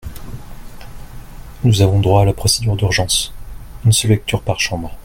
Nous avons droit à la procédure d’urgence : une seule lecture par chambre.